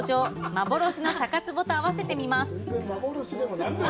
「幻の酒壺」と合わせてみます。